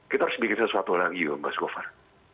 kita harus bikin sesuatu lagi ya mas govar